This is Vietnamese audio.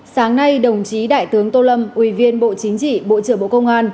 sáng nay đồng chí đại tướng tô lâm ủy viên bộ chính trị bộ trưởng bộ công an